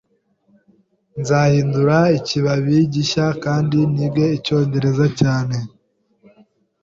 Nzahindura ikibabi gishya kandi nige Icyongereza cyane.